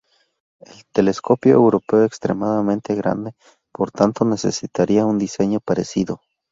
El Telescopio Europeo Extremadamente Grande, por tanto necesitaría un diseño parecido.